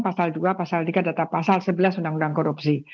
pasal dua pasal tiga data pasal sebelas undang undang korupsi